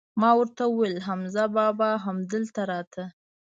ما ور ته وویل: حمزه بابا هم دلته راته؟